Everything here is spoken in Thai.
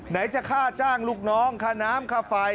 ไหนจะค่าจ้างลูกน้องค่าน้ำค่าไฟ